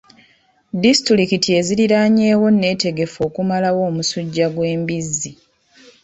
Disitulikiti eziriraanyewo neetegefu okumalawo omusujja gw'embizzi.